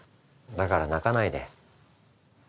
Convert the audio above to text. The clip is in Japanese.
だから泣かないで。